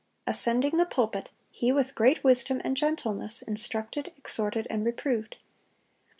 Ascending the pulpit, he with great wisdom and gentleness instructed, exhorted, and reproved.